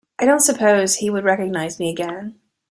I don’t suppose he would recognise me again.